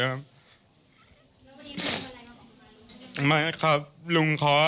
แล้วพอดีคุณอะไรมาขอบกันมาลุงครับ